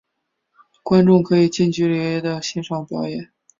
观众可以近距离地欣赏表演。